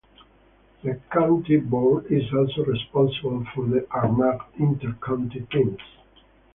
The county board is also responsible for the Armagh inter-county teams.